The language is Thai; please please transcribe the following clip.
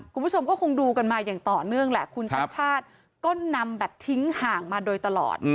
คุณผู้ชมก็คงดูกันมาอย่างต่อเนื่องแหละคุณชัดชาติก็นำแบบทิ้งห่างมาโดยตลอด